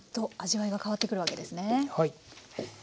はい。